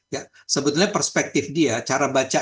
ya sebetulnya perspektif dia